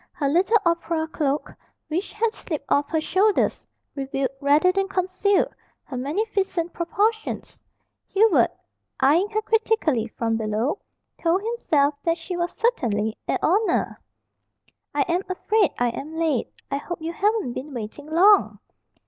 Her little opera cloak, which had slipped off her shoulders, revealed, rather than concealed, her magnificent proportions. Hubert, eying her critically from below, told himself that she was certainly a "oner!" "I am afraid I am late. I hope you haven't been waiting long."